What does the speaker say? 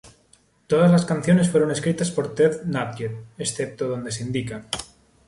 Todas las canciones fueron escritas por Ted Nugent, excepto donde se indica.